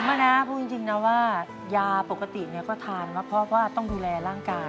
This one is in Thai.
ไม่นะพูดจริงนะว่ายาปกติก็ทานมาเพราะว่าต้องดูแลร่างกาย